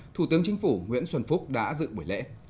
thủ tướng chính phủ nguyễn xuân phúc đã dự buổi lễ